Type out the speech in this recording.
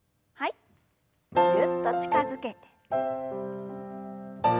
ぎゅっと近づけて。